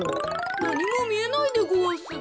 なにもみえないでごわす。